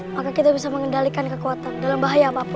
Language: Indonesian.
maka kita bisa mengendalikan kekuatan dalam bahaya apapun